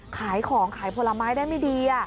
ขายของขายผลไม้ได้ไม่ดี